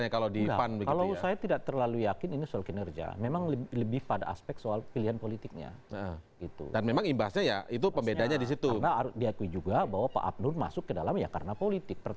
karena diakui juga bahwa pak amin masuk ke dalam ya karena politik